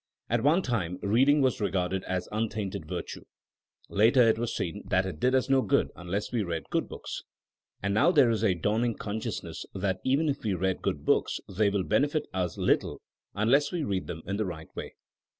At one time reading was regarded an untainted virtue, later it was seen that it did us no good unless we read good books, and now there is a dawning consciousness that even if we read good books they will benefit us little unless we read them in the right way.